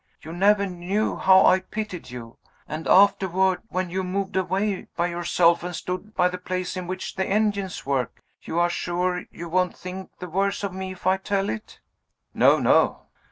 You never knew how I pitied you. And afterward, when you moved away by yourself, and stood by the place in which the engines work you are sure you won't think the worse of me, if I tell it?" "No! no!"